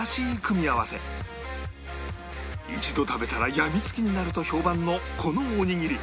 一度食べたらやみつきになると評判のこのおにぎり